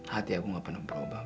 hati aku gak pernah berubah buat kamu